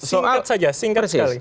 singkat saja singkat sekali